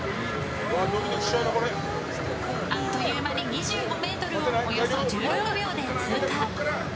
あっという間に２５ｍをおよそ１５秒で通過。